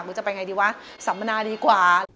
จะไปไงดีวะสัมมนาดีกว่า